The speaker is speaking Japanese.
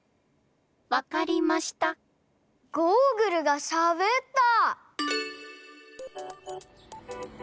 わかりましたゴーグルがしゃべった！？